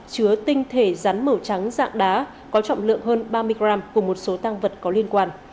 chứa tinh thể rắn màu trắng dạng đá có trọng lượng hơn ba mươi g cùng một số tăng vật có liên quan